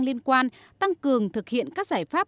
liên quan tăng cường thực hiện các giải pháp